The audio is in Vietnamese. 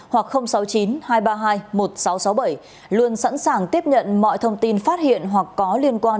hoặc sáu mươi chín hai trăm ba mươi hai một nghìn sáu trăm sáu mươi bảy luôn sẵn sàng tiếp nhận mọi thông tin phát hiện hoặc có liên quan